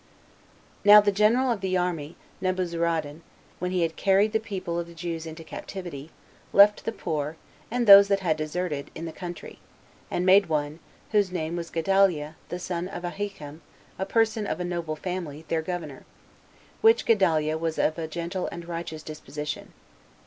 1. Now the general of the army, Nebuzaradan, when he had carried the people of the Jews into captivity, left the poor, and those that had deserted, in the country, and made one, whose name was Gedaliah, the son of Ahikam, a person of a noble family, their governor; which Gedaliah was of a gentle and righteous disposition.